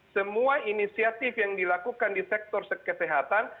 semua inisiatif yang dilakukan di sektor kesehatan